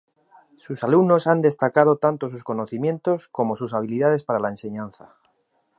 Sus alumnos han destacado tanto sus conocimientos, como sus habilidades para la enseñanza.